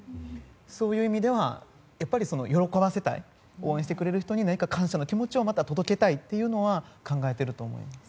そういう意味では、喜ばせたい応援してくれる人に感謝の気持ち届けたいということは考えていると思います。